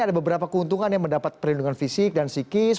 ada beberapa keuntungan yang mendapat perlindungan fisik dan psikis